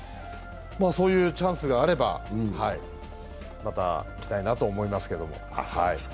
そういうチャンスがあれば、また着たいなと思います。